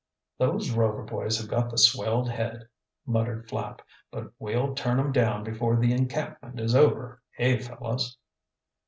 "Those Rover boys have got the swelled head," muttered Flapp. "But we'll turn 'em down before the encampment is over, eh, fellows?"